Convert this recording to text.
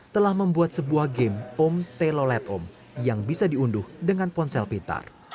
telah membuat sebuah game om telolet om yang bisa diunduh dengan ponsel pintar